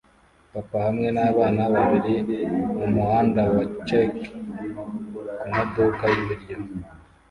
Papa hamwe nabana babiri mumuhanda wa cheque kumaduka y'ibiryo